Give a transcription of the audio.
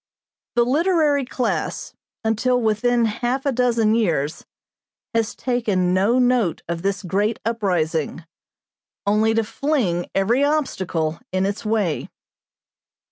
The literary class, until within half a dozen years, has taken no note of this great uprising; only to fling every obstacle in its way.